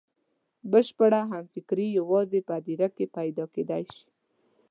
بشپړه همفکري یوازې په هدیره کې پیدا کېدای شي.